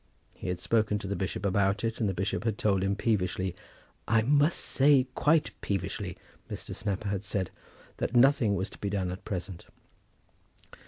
He had spoken to the bishop about it and the bishop had told him peevishly "I must say quite peevishly," Mr. Snapper had said, that nothing was to be done at present.